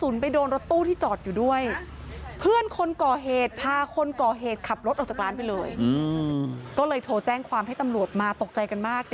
ก็เลยโทรแจ้งความให้ตำรวจมาตกใจกันมาก